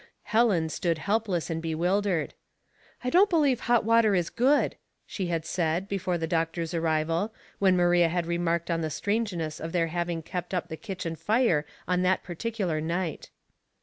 Helen stood helpless and bewildered. " I don't believe hot water is good," she had said, before the doctor's arrival, when Maria had remarked on the strange ness of their having kept up the kitchen fire on that particular night.